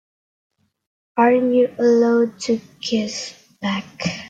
Aren't you allowed to kiss back?